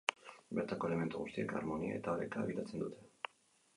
Bertako elementu guztiek, harmonia eta oreka bilatzen dute.